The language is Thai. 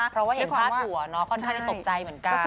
เพราะว่าเห็นภาพหัวค่อนข้างได้ตกใจเหมือนกัน